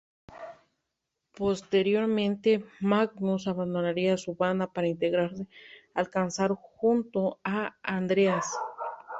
Posteriormente, Magnus abandonaría a su banda para integrarse a Alcazar junto a Andreas.